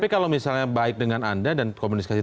tapi kalau misalnya baik dengan anda dan komunikasi